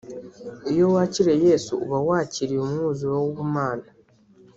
Iyo wakiriye Yesu uba wakiriye umwuzuro w’ubumana